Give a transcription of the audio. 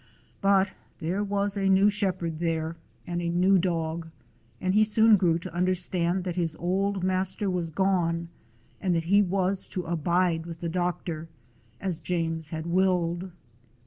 But there was a new shepherd there and a new dog, and he soon grew to understand that his old master was gone and that he was to abide with the doctor, as James had willed.